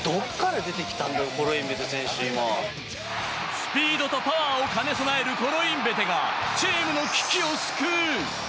スピードとパワーを兼ね備えるコロインベテが、チームの危機を救う。